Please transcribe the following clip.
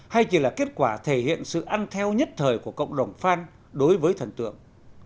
hay chỉ là kết quả thể hiện sự ăn theo nhất thời của cộng đồng phan đối với thần tượng